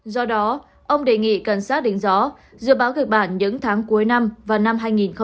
do đó ông đề nghị cảnh sát đánh gió dự báo kịch bản những tháng cuối năm và năm hai nghìn hai mươi hai